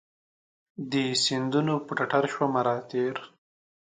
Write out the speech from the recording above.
د سیندونو پر ټټرشومه راتیره